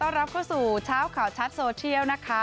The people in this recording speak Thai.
รับเข้าสู่เช้าข่าวชัดโซเชียลนะคะ